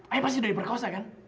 ayah pasti sudah diperkosa kan